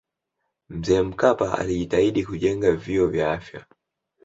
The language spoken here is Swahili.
mzee mkapa alijitahidi kujenga vituo vya afya